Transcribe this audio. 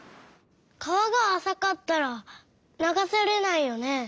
川があさかったら流されないよね？